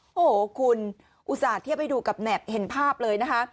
โอ้โหคุณอุตส่าห์เทียบให้ดูกับแหบเห็นภาพเลยนะคะ